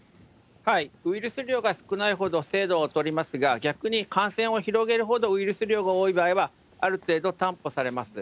ウイルス量が少ないほど精度は劣りますが、逆に感染を広げるほどウイルス量が多い場合は、ある程度担保されます。